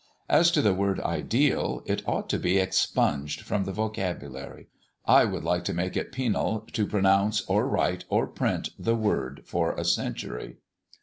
As to the word 'ideal,' it ought to be expunged from the vocabulary; I would like to make it penal to pronounce, or write, or print the word for a century.